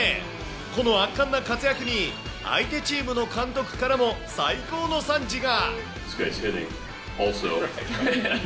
この圧巻な活躍に、相手チームの監督からも、最高の賛辞が。